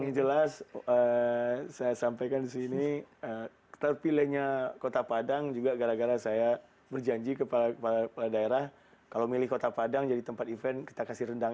yang jelas saya sampaikan di sini terpilihnya kota padang juga gara gara saya berjanji kepala daerah kalau milih kota padang jadi tempat event kita kasih rendang